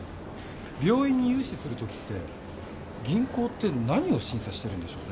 病院に融資する時って銀行って何を審査してるんでしょうね？